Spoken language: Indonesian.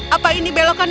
apa ini belokannya